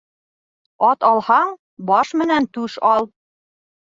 Ат алһаң, баш менән түш ал